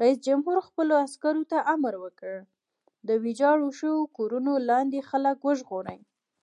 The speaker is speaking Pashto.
رئیس جمهور خپلو عسکرو ته امر وکړ؛ د ویجاړو شویو کورونو لاندې خلک وژغورئ!